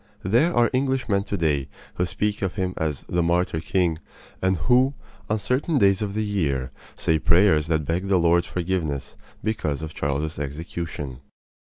There are Englishmen to day who speak of him as "the martyr king," and who, on certain days of the year, say prayers that beg the Lord's forgiveness because of Charles's execution.